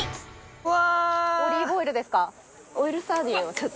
うわ！